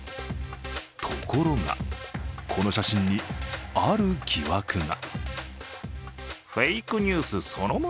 ところが、この写真に、ある疑惑が。